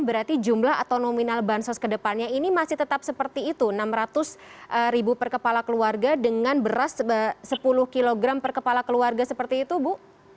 berarti jumlah atau nominal bansos ke depannya ini masih tetap seperti itu rp enam ratus ribu per kepala keluarga dengan beras sepuluh kg per kepala keluarga seperti itu bu